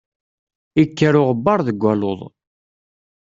Ikker uɣebbar deg waluḍ.